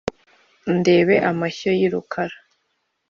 ndebe amashyo y’i rukara